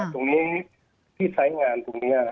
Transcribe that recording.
ตรงนี้ที่สายงานตรงเนี้ย